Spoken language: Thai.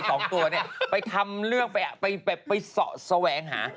อ๋ออีก๒ตัวเนี่ยไปทำเรื่องไปสะแหวงหา